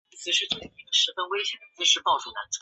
林翰生于清朝光绪四年。